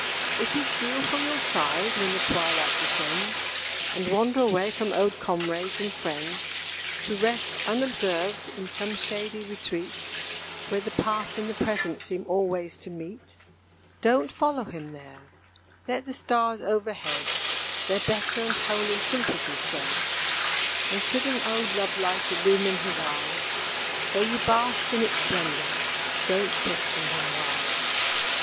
If he steal from your side when the twilight descends, And wander away from old comrades and friends, To rest unobserved in some shady retreat, Where the past and the present seem always to meet, Don't follow him there; let the stars overhead Their better and holier sympathy shed And should an old love light illumine his eye, Though you bask in its splendor don't question him why.